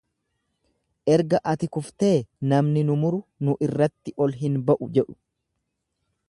Erga ati kuftee namni nu muru nu irratti ol hin ba’u jedhu.